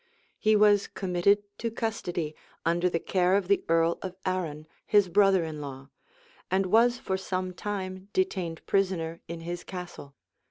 He was committed to custody, under the care of the earl of Arran, his brother in law; and was for some time detained prisoner in his castle.